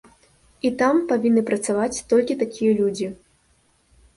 І там павінны працаваць толькі такія людзі.